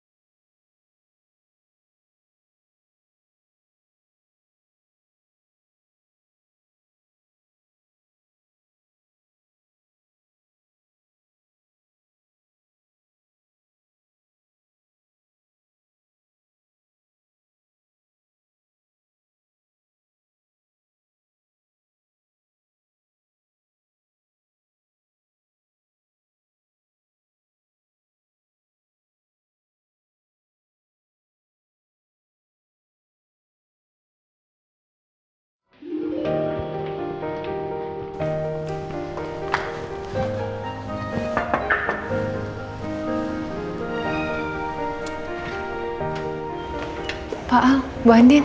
résultatnya ad tenang